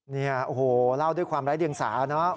นี่โอ้โฮเล่าด้วยความรักดึงสาวนะครับ